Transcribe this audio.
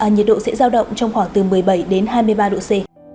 nhiệt độ sẽ giao động trong khoảng từ một mươi bảy đến hai mươi ba độ c